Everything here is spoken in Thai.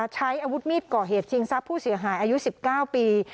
ใช้อาวุธมีดก่อเหตุชิงทรัพย์ผู้เสียหายอายุ๑๙ปี